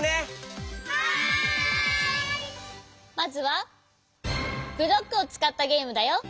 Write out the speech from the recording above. まずはブロックをつかったゲームだよ。